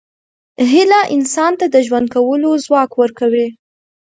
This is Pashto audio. هیله انسان ته د ژوند کولو ځواک ورکوي.